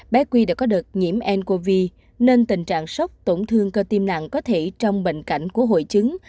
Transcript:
bé quy đã có đợt nhiễm ncov nên tình trạng sốc tổn thương cơ tim nặng có thể trong bệnh cảnh của hội chứng